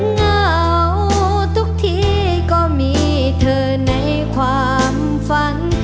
เหงาทุกทีก็มีเธอในความฝัน